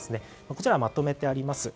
こちら、まとめてあります。